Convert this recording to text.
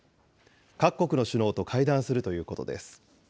各国の首脳と会談するということです。